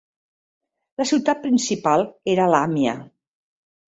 La ciutat principal era Làmia.